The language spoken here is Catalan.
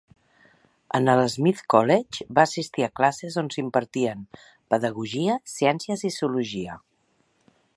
En el Smith College va assistir a classes on s'impartien pedagogia, ciències i zoologia.